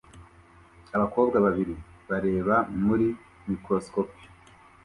Abakobwa babiri bareba muri microscopes